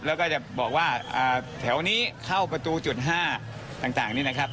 แล้วก็จะบอกว่าแถวนี้เข้าประตูจุด๕ต่างนี่นะครับ